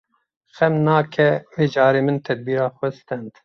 Xem nake vê carê min tedbîra xwe stend.